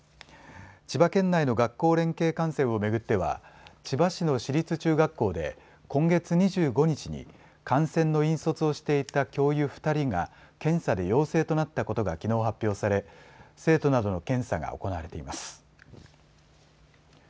千葉県内の学校連携観戦を巡っては千葉市の市立中学校で今月２５日に観戦の引率をしていた教諭２人が検査で陽性となったことがきのう発表され生徒などの検査が行われています。